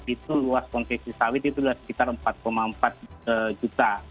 itu luas konsesi sawit itu sekitar empat empat juta